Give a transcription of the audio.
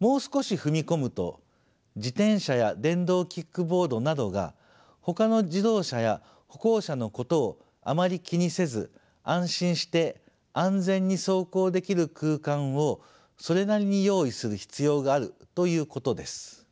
もう少し踏み込むと自転車や電動キックボードなどがほかの自動車や歩行者のことをあまり気にせず安心して安全に走行できる空間をそれなりに用意する必要があるということです。